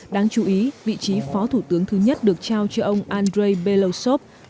đáng chú ý vị trí phó thủ tướng thứ nhất được trao cho ông andrei belousov